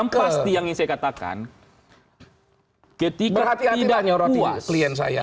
yang pasti yang saya katakan ketika tidak nyorotin klien saya